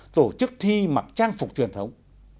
tổ chức thi mặc trang phục truyền thống